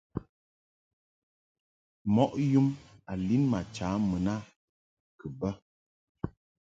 Mɔʼ yum a lin ma cha mun a kɨ bɛ.